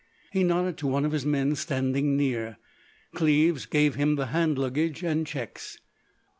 He nodded to one of his men standing near. Cleves gave him the hand luggage and checks.